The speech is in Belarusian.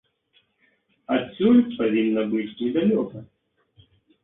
Адсюль павінна быць недалёка.